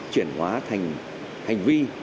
chuyển hóa thành hành vi